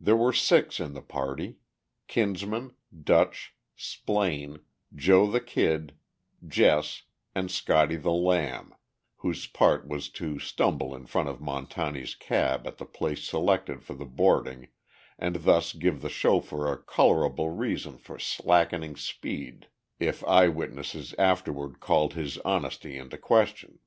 There were six in the party—Kinsman, "Dutch," Splaine, "Joe the Kid," Jess and "Scotty the Lamb," whose part was to stumble in front of Montani's cab at the place selected for the boarding, and thus give the chauffeur a colorable reason for slackening speed if eye witnesses afterward called his honesty into question.